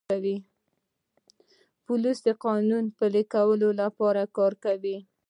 پولیس د قانون پلي کولو لپاره کار کوي.